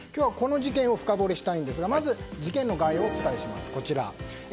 今日はこの事件を深掘りしたいんですが事件の概要をご紹介します。